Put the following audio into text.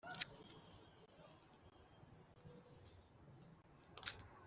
agakina nazo, akazoza, akazikorera ibintu byiza byose